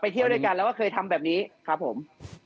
เที่ยวด้วยกันแล้วก็เคยทำแบบนี้ครับผม